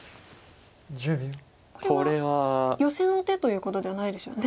これはヨセの手ということではないですよね？